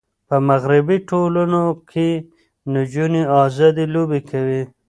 په مغربي ټولنو کې نجونې آزادې لوبې کوي.